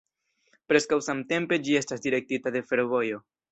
Preskaŭ samtempe ĝi estas direktita de fervojo.